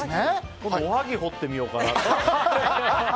今度はおはぎ彫ってみようかなって。